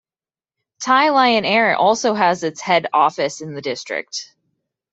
Thai Lion Air also has its head office in the district.